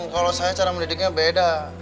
kalau saya cara mendidiknya beda